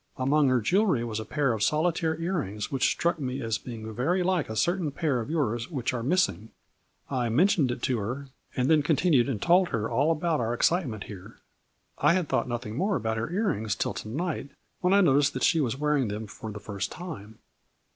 Among her jewelry was a pair of solitaire ear rings which struck me as being very like a certain pair of yours which are missing. I mentioned it to her, and then continued and told her all about our excitement here. I had thought nothing more about her ear rings till to night, when I noticed that she was wearing them for the first time.